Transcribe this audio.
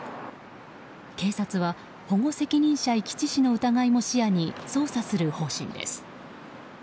警察は、保護責任者遺棄致死の疑いも視野に捜査する方針です。